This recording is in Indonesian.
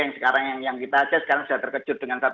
yang sekarang yang kita aja sekarang sudah terkejar